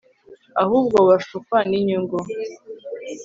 ahubwo bashukwa n'inyungu